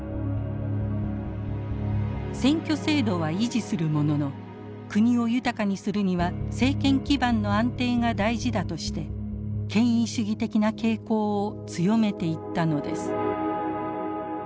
選挙制度は維持するものの国を豊かにするには政権基盤の安定が大事だとして権威主義的な傾向を強めていったのです。